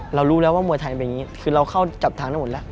รู้แล้วว่ามวยไทยเป็นอย่างนี้คือเราเข้าจับทางได้หมดแล้ว